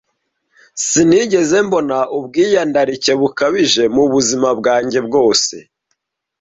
Sinigeze mbona ubwiyandarike bukabije mubuzima bwanjye bwose.